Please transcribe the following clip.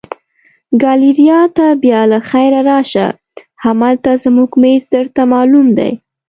ګالیریا ته بیا له خیره راشه، همالته زموږ مېز درته معلوم دی.